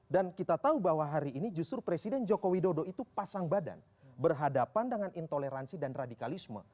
dan kita tahu bahwa hari ini justru presiden jokowi dodo itu pasang badan berhadapan dengan intoleransi dan radikalisme